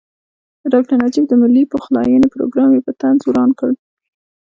د ډاکټر نجیب د ملي پخلاینې پروګرام یې په طنز وران کړ.